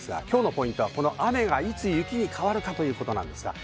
今日のポイントは雨が雪に、いつ変わるかということです。